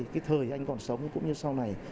cũng như sau này